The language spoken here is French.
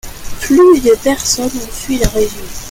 Plus de personnes ont fui la région.